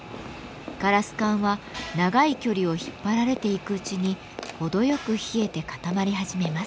ガラス管は長い距離を引っ張られていくうちに程よく冷えて固まり始めます。